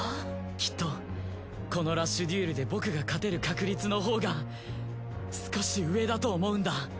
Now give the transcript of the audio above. きっとこのラッシュデュエルで僕が勝てる確率のほうが少し上だと思うんだ。